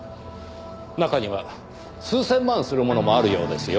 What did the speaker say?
中には数千万するものもあるようですよ。